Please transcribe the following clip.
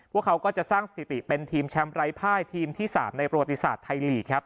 เขาก็จะสร้างสถิติเป็นทีมแชมป์ไร้ภายทีมที่๓ในประวัติศาสตร์ไทยลีกครับ